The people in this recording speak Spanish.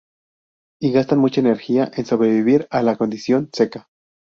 Y gastan mucha energía en sobrevivir a la condición seca.